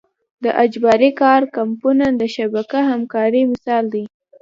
د اجباري کار کمپونه د شبکه همکارۍ مثال دی.